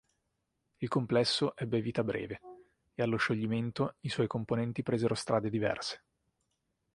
Il complesso ebbe vita breve, e allo scioglimento i suoi componenti presero strade diverse.